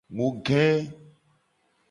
Mu ge.